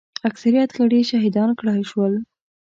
اکثریت غړي یې شهیدان کړای شول.